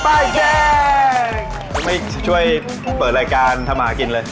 ไม่ช่วยเปิดรายการทำหากินเลย